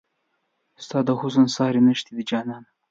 ستا د حسن ساری نشته دی جانانه